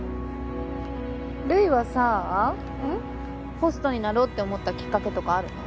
ホストになろうって思ったきっかけとかあるの？